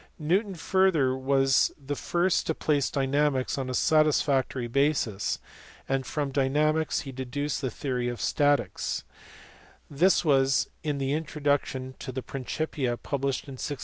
Newton further was the first to place dynamics on a satisfactory basis, and from dynamics he deduced the theory of statics : this was in the introduction to the Principia pub lished in 1687.